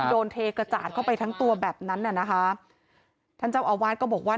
โดนเทกระจาดเข้าไปทั้งตัวแบบนั้นน่ะนะคะท่านเจ้าอาวาสก็บอกว่า